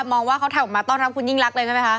มองว่าเขาถ่ายออกมาต้อนรับคุณยิ่งรักเลยใช่ไหมคะ